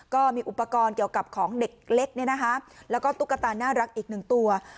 ก็มีอุปกรณ์เกี่ยวกับของเด็กเล็กแล้วก็ตุ๊กตาน่ารักอีกหนึ่งตัว